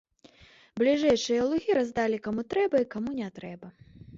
Бліжэйшыя лугі раздалі каму трэба і каму не трэба.